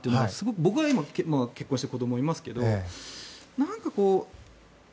僕は今、結婚して子どもがいますけどなんかこう。